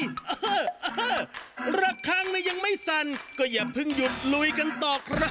อ้าวอ้าวละครั้งนั้นยังไม่สั่นก็อย่าพึ่งหยุดลุยกันต่อครับ